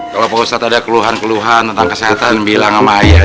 kalau pak ustadz ada keluhan keluhan tentang kesehatan bilang sama ayah